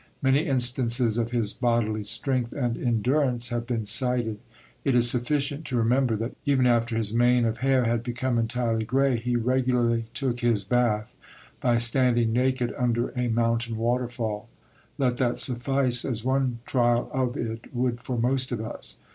Many instances of his bodily strength and endurance have been cited; it is sufficient to remember that even after his mane of hair had become entirely grey he regularly took his bath by standing naked under a mountain waterfall. Let that suffice, as one trial of it would for most of us.